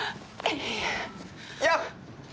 よっ！